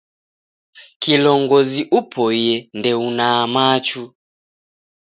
Kilongozi upoie ndeunaa machu.